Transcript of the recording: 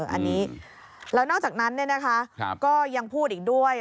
อันนี้แล้วนอกจากนั้นก็ยังพูดอีกด้วย